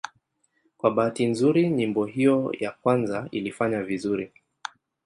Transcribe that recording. Kwa bahati nzuri nyimbo hiyo ya kwanza ilifanya vizuri.